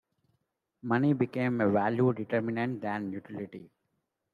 Money became a value-determinant than utility.